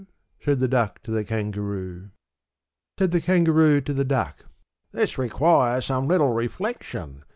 Said the Duck to the Kangaroo. III. Said the Kangaroo to the Duck, "This requires some little reflection.